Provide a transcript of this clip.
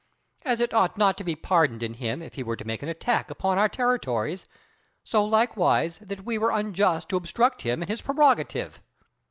As it ought not to be pardoned in him if he were to make an attack upon our territories, so likewise that we were unjust to obstruct him in his prerogative.